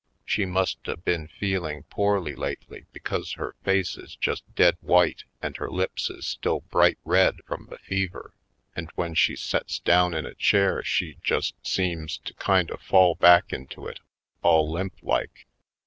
She must a been feeling poorly lately because her face is just dead white and her lips is still bright red from the fever and when she sets down in a chair she just seems to kind of fall back into it, all limp like.